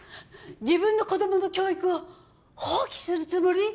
自分の子どもの教育を放棄するつもり？